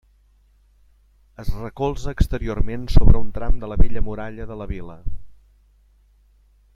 Es recolza exteriorment sobre un tram de la vella muralla de la Vila.